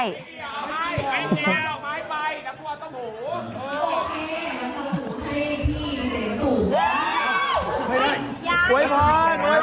อีหอยบอร์น